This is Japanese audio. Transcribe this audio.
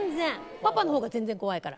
パパの方が全然怖いから。